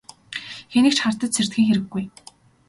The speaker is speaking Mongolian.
Хэнийг ч хардаж сэрдэхийн хэрэггүй.